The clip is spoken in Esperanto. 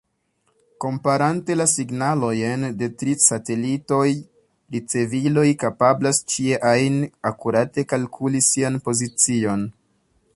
Komparante la signalojn de tri satelitoj, riceviloj kapablas ĉie ajn akurate kalkuli sian pozicion.